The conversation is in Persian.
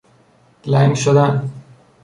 لنگ شدن